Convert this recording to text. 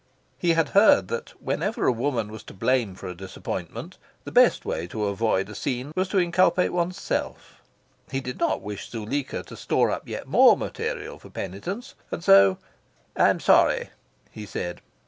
He had heard that whenever a woman was to blame for a disappointment, the best way to avoid a scene was to inculpate oneself. He did not wish Zuleika to store up yet more material for penitence. And so "I am sorry," he said.